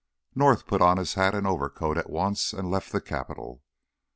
North put on his hat and overcoat at once and left the Capitol.